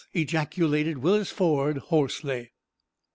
ejaculated Willis Ford, hoarsely.